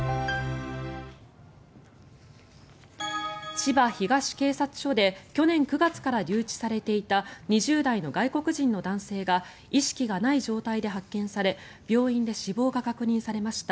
千葉東警察署で去年９月から留置されていた２０代の外国人の男性が意識がない状態で発見され病院で死亡が確認されました。